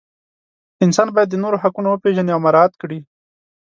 انسان باید د نورو حقونه وپیژني او مراعات کړي.